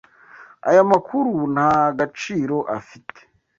Aya makuru nta gaciro afite ubu.